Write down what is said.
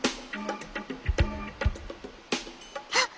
あっ！